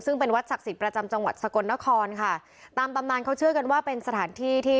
ซึ่งเป็นวัดศักดิ์สิทธิ์ประจำจังหวัดสกลนครค่ะตามตำนานเขาเชื่อกันว่าเป็นสถานที่ที่